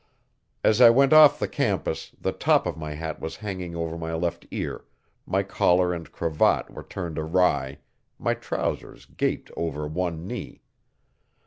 As I went off the campus the top of my hat was hanging over my left ear, my collar and cravat were turned awry, my trousers gaped over one knee.